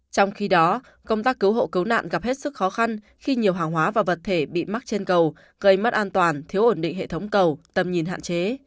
trong khi đó công tác cứu hộ cứu nạn gặp hết sức khó khăn khi nhiều hàng hóa và vật thể bị mắc trên cầu gây mất an toàn thiếu ổn định hệ thống cầu tầm nhìn hạn chế